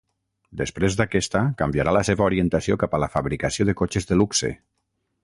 Després d'aquesta, canviarà la seva orientació cap a la fabricació de cotxes de luxe.